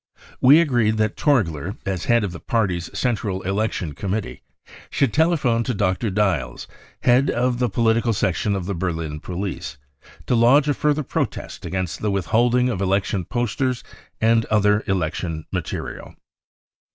We agreed that Torgler, as head of the Party' *s central election committee, should telephone to Dr. Diehls, head of the political section of the Berlin police, to lodge a further protest against the withholding of election posters and other election material.